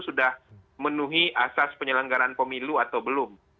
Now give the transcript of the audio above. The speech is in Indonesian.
sudah menuhi asas penyelenggaran pemilu atau belum